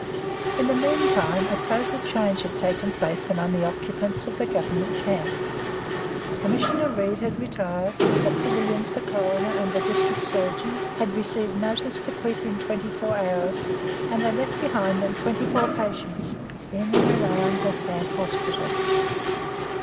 In the meantime a total change had taken place among the occupants of the Government camp. Commissioner Rede had retired, Dr. Williams, the coroner, and the district surgeons had received notice to quit in twenty four hours, and they left behind them twenty four patients in and around the camp hospital.